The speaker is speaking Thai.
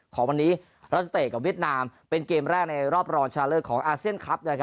ของวันนี้รัฐสตรีกับเวียดนามเป็นเกมแรกในรอบรอสรมานชันเลอร์อาสเซียนคลัฟ